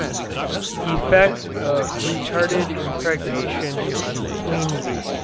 EFFECT OF RETARDED IMPREGNATION ON THE QUEEN BEE.